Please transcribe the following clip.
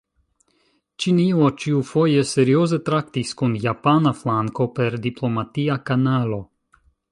Ĉinio ĉiufoje serioze traktis kun japana flanko per diplomatia kanalo.